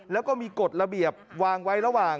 แล้วก็มีกฎระเบียบวางไว้ระหว่าง